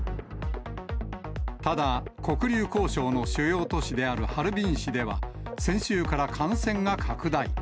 ただ、黒竜江省の主要都市であるハルビン市では、先週から感染が拡大。